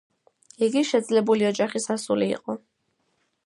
იგი შეძლებული ოჯახის ასული იყო.